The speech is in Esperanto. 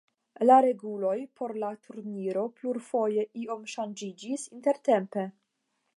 La reguloj por la turniro plurfoje iom ŝanĝiĝis intertempe.